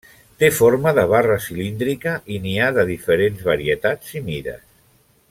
Té forma de barra cilíndrica i n'hi ha de diferents varietats i mides.